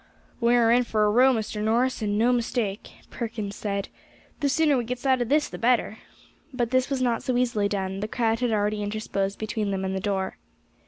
"We are in for a row, Mr. Norris, and no mistake," Perkins said; "the sooner we gets out of this the better." But this was not so easily done; the crowd had already interposed between them and the door.